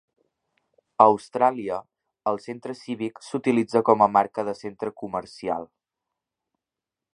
A Austràlia, el centre cívic s'utilitza com a marca de centre comercial.